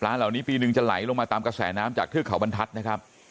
เหล่านี้ปีหนึ่งจะไหลลงมาตามกระแสน้ำจากเทือกเขาบรรทัศน์นะครับ